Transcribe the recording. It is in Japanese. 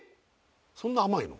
そんな甘いの？